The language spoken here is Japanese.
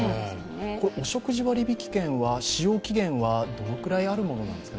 お食事割引券は使用期限はどれくらいあるものですか？